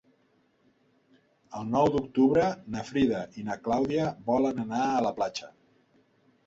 El nou d'octubre na Frida i na Clàudia volen anar a la platja.